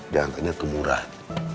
jangan tanya ke murad